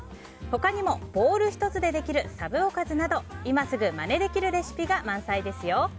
他にもボウル１つでできるサブおかずなど今すぐまねできるレシピが満載ですよ。